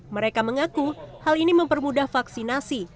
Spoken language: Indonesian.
mereka mengaku hal ini mempermudah vaksinasi